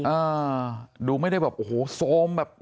อ่าดูไม่ได้แบบโอ้โหโซมแบบ